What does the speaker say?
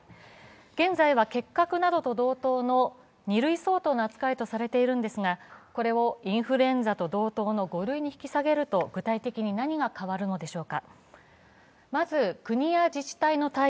現在は結核などと同等の２類相当の扱いとされているんですがこれをインフルエンザと同等の５類に引き下げると具体的に何が変わるのでしょうか。